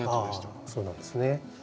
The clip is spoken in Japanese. あそうなんですね。